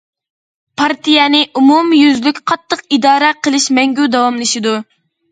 پارتىيەنى ئومۇميۈزلۈك قاتتىق ئىدارە قىلىش مەڭگۈ داۋاملىشىدۇ.